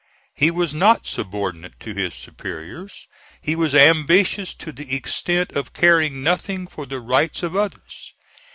He was not subordinate to his superiors. He was ambitious to the extent of caring nothing for the rights of others.